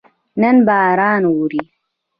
نن باران اوري